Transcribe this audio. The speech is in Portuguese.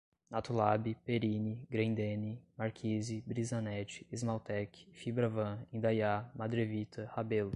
Natulab, Perini, Grendene, Marquise, Brisanet, Esmaltec, Fibravan, Indaiá, Madrevita, Rabelo